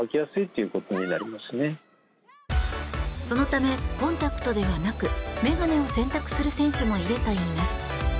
そのため、コンタクトではなくメガネを選択する選手もいるといいます。